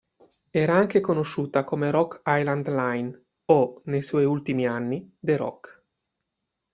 Era anche conosciuta come Rock Island Line, o, nei suoi ultimi anni, The Rock.